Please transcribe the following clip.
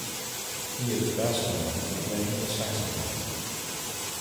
He is best known for playing the saxophone.